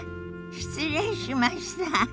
失礼しました。